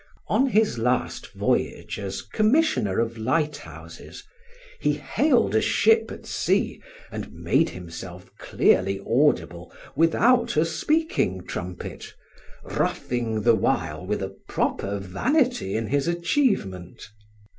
On his last voyage as Commissioner of Lighthouses, he hailed a ship at sea and made himself clearly audible without a speaking trumpet, ruffing the while with a proper vanity in his achievement.